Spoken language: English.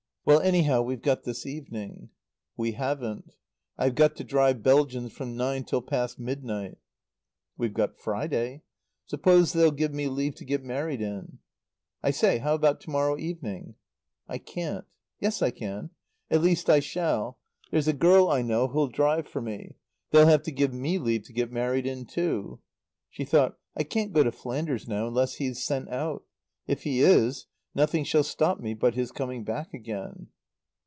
"Well, anyhow, we've got this evening." "We haven't. I've got to drive Belgians from nine till past midnight." "We've got Friday. Suppose they'll give me leave to get married in. I say how about to morrow evening?" "I can't. Yes, I can. At least, I shall. There's a girl I know who'll drive for me. They'll have to give me leave to get married in, too." She thought: "I can't go to Flanders now, unless he's sent out. If he is, nothing shall stop me but his coming back again."